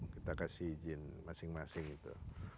kita kasih izin masing masing itu